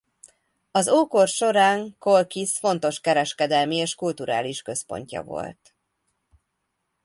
Az ókor során Kolkhisz fontos kereskedelmi és kulturális központja volt.